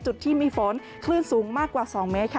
จุดที่มีฝนคลื่นสูงมากกว่า๒เมตรค่ะ